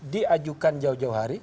diajukan jauh jauh hari